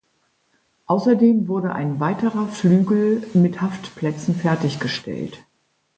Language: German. Außerdem wurde ein weiterer Flügel mit Haftplätzen fertiggestellt.